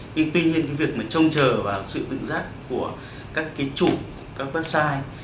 nhưng tuy nhiên cái việc mà trông chờ vào sự tự giác của các cái chủ các website